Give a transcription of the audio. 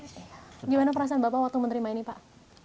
gimana perasaan bapak waktu menerima ini pak